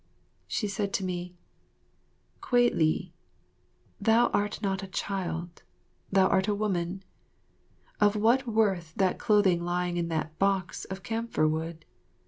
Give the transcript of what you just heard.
She said to me, "Kwei li, thou art not a child, thou art a woman. Of what worth that clothing lying in that box of camphor wood?